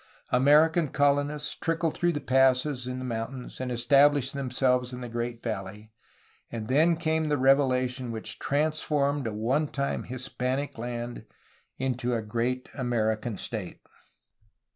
American colonists trickled through the passes in the mountains, and estab lished themselves in the great valley, — and then came the revelation which transformed a one time Hispanic land into a great American state.